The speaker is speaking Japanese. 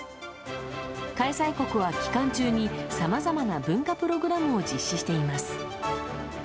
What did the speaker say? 開催国は期間中にさまざまな文化プログラムを実施しています。